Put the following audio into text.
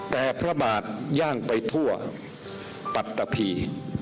แต่พระบาทย่างไปทั่วปัตตะพี